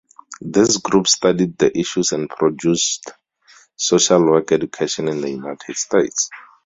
This group studied the issues and produced "Social Work Education in the United States".